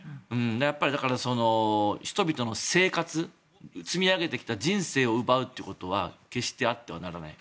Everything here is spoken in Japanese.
やっぱり、だから人々の生活積み上げてきた人生を奪うということは決してあってはならない。